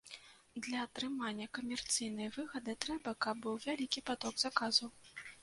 Для атрымання камерцыйнай выгады трэба, каб быў вялікі паток заказаў.